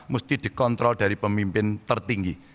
mesti dikontrol dari pemimpin tertinggi